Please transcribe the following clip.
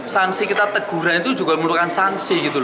sanksi kita teguran itu juga memerlukan sanksi gitu loh